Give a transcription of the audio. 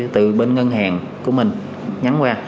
từ bên ngân hàng của mình nhắn qua